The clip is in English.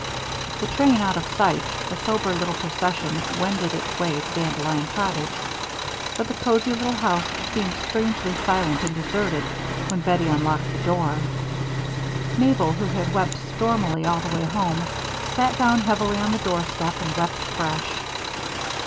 The train out of sight, the sober little procession wended its way to Dandelion Cottage but the cozy little house seemed strangely silent and deserted when Bettie unlocked the door. Mabel, who had wept stormily all the way home, sat down heavily on the doorstep and wept afresh.